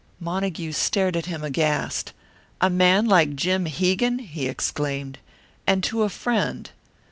Montague stared at him aghast. "A man like Jim Hegan!" he exclaimed. "And to a friend."